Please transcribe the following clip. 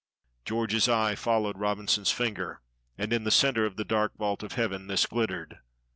George's eye followed Robinson's finger, and in the center of the dark vault of heaven this glittered.